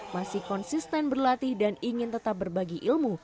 masih konsisten berlatih dan ingin tetap berbagi ilmu